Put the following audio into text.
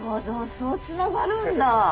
そうつながるんだ。